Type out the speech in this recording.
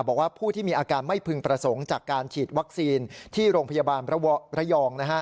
บอกว่าผู้ที่มีอาการไม่พึงประสงค์จากการฉีดวัคซีนที่โรงพยาบาลระยอง